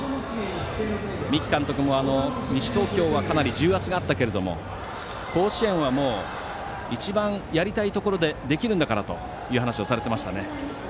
三木監督も、西東京はかなり重圧があったけれども甲子園は、一番やりたいところでできるんだからと話されていました。